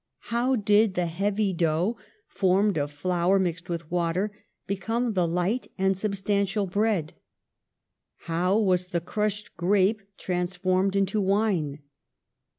How did the heavy dough, formed of flour mixed with water, become the light and substantial bread; how was the crushed grape transformed into wine?